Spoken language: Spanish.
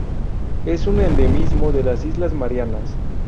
Es un endemismo de las Islas Marianas.